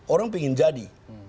orang ingin jadi